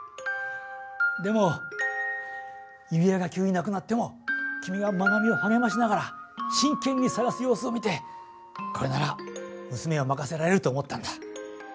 でも指輪が急になくなっても君がまなみをはげましながら真けんに探す様子を見てこれならむすめをまかせられると思ったんだ。